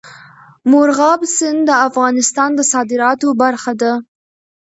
مورغاب سیند د افغانستان د صادراتو برخه ده.